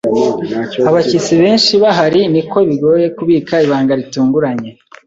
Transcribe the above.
Abashyitsi benshi bahari, niko bigoye kubika ibanga ritunguranye.